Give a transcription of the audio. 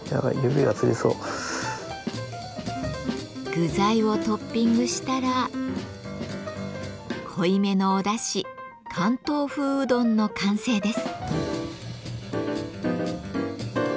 具材をトッピングしたら濃いめのおだし関東風うどんの完成です。